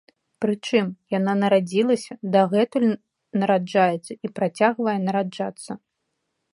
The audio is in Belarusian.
Прычым, яна нарадзілася, дагэтуль нараджаецца і працягвае нараджацца!